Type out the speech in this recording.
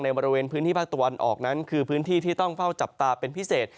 บริเวณพื้นที่ภาคตะวันออกนั้นคือพื้นที่ที่ต้องเฝ้าจับตาเป็นพิเศษ